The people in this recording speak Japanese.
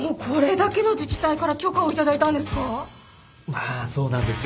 まあそうなんですけど。